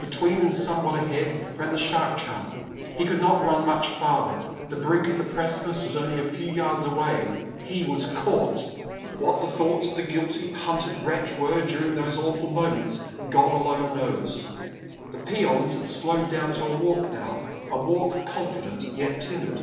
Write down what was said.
Between, and somewhat ahead, ran the shark charmer. He could not run much farther; the brink of the precipice was only a few yards away. He was caught! What the thoughts of the guilty, hunted wretch were during those awful moments, God alone knows. The peons had slowed down to a walk now a walk confident, yet timid.